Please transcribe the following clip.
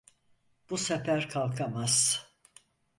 Bu sefer kalkamaz.